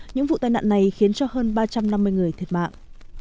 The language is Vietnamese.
những vụ tai nạn này khiến cho hơn ba trăm năm mươi người thiệt mạng